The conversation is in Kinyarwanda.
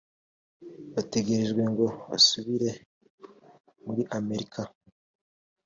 bategerejwe ngo basubire muri amerika